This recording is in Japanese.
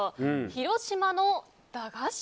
広島の駄菓子？